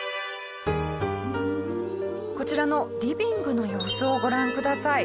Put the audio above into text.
こちらのリビングの様子をご覧ください。